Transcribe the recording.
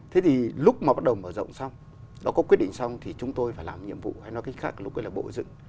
thế thì lúc mà bắt đầu mở rộng xong nó có quyết định xong thì chúng tôi phải làm nhiệm vụ hay nói cách khác lúc ấy là bộ dựng